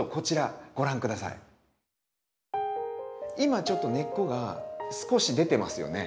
今ちょっと根っこが少し出てますよね。